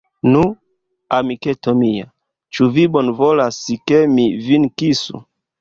Nu, amiketo mia, ĉu vi bonvolas, ke mi vin kisu?